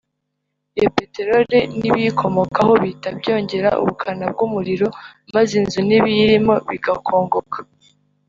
iyo peteroli n’ibiyikomokaho bihita byongera ubukana bw’umuriro maze inzu n’ibiyirimo bigakongoka